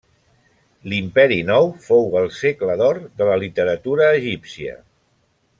L'Imperi Nou fou el segle d'or de la literatura egípcia.